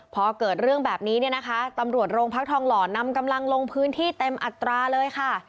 พอเกิดเรื่องแบบนี้เนี่ยนะคะตำรวจโรงพักทองหล่อนำกำลังลงพื้นที่เต็มอัตราเลยค่ะ